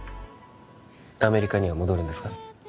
アメリカには戻るんですか？